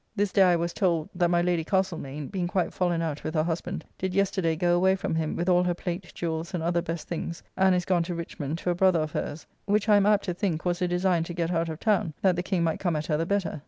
This day I was told that my Lady Castlemaine (being quite fallen out with her husband) did yesterday go away from him, with all her plate, jewels, and other best things; and is gone to Richmond to a brother of her's; which, I am apt to think, was a design to get out of town, that the King might come at her the better.